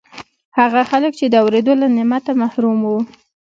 هغه خلک چې د اورېدو له نعمته محروم وو